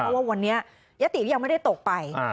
เพราะว่าวันนี้ยติก็ยังไม่ได้ตกไป